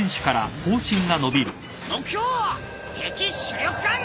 目標敵主力艦。